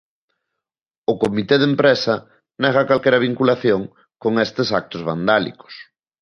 O comité de empresa nega calquera vinculación con estes actos vandálicos.